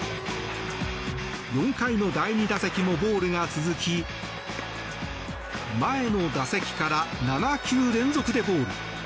４回の第２打席もボールが続き前の打席から７球連続でボール。